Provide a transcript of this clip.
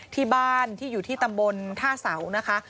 ที่บ้านที่อยู่ที่ตำบลท่าเสานะคะ